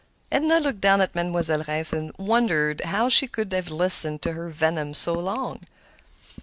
Edna looked down at Mademoiselle Reisz and wondered how she could have listened to her venom so long.